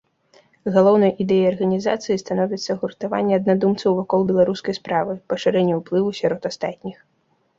Галоўнай ідэяй арганізацыі становіцца гуртаванне аднадумцаў вакол беларускай справы, пашырэнне ўплыву сярод астатніх.